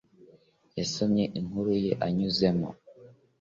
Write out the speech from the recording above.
Yasomye inkuru ye anyuzemo